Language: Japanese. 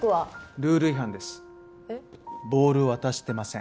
ボール渡してません。